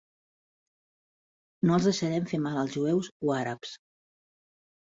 No els deixarem fer mal als jueus o àrabs.